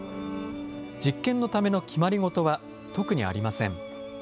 実験のための決まり事は特にありません。